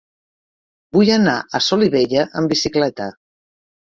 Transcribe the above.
Vull anar a Solivella amb bicicleta.